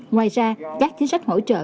ngoài ra các chính sách hỗ trợ